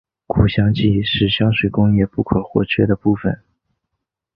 固定剂是香水工业不可或缺的部份。